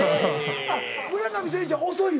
あっ村上選手は遅いの？